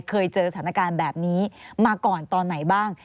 เคยเจอสถานการณ์แบบนี้มาก่อนตอนไหนบ้าง